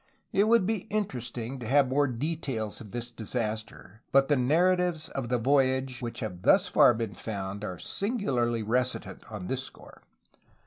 It would be interesting to have more details of this disaster, but the narratives of the voyage which have thus far been found are singularly reticent on this score.